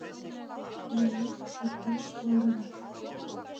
Ваню — шорташ, магыраш...